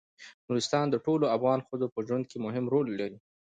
نورستان د ټولو افغان ښځو په ژوند کې مهم رول لري.